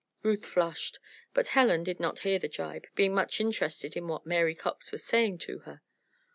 Ruth flushed, but Helen did not hear the gibe, being much interested in what Mary Cox was saying to her.